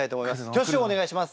挙手をお願いします。